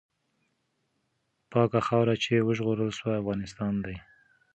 پاکه خاوره چې وژغورل سوه، افغانستان دی.